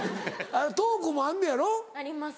トークもあんのやろ？あります。